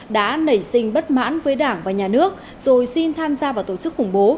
đã nảy sinh bất mãn với đảng và nhà nước rồi xin tham gia vào tổ chức khủng bố